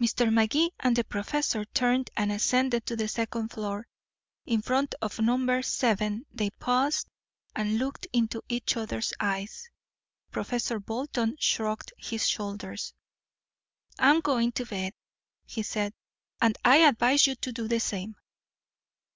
Mr. Magee and the professor turned and ascended to the second floor. In front of number seven they paused and looked into each other's eyes. Professor Bolton shrugged his shoulders. "I'm going to bed," he said, "and I advise you to do the same."